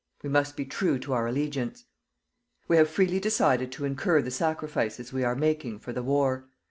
We must be true to our allegiance. We have freely decided to incur the sacrifices we are making for the war.